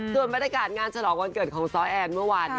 ส่วนบรรยากาศงานฉลองวันเกิดของซ้อแอนเมื่อวานนี้